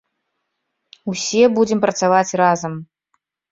Усе будзем працаваць разам.